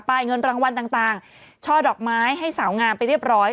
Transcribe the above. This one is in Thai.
เงินรางวัลต่างช่อดอกไม้ให้สาวงามไปเรียบร้อย